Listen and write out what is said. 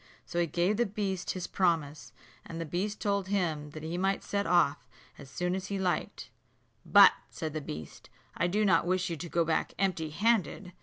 So he gave the beast his promise; and the beast told him he might then set off as soon as he liked. "But," said the beast, "I do not wish you to go back empty handed.